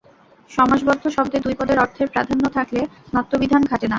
সমাসবদ্ধ শব্দে দুই পদের অর্থের প্রাধান্য থাকলে ণত্ব বিধান খাটে না।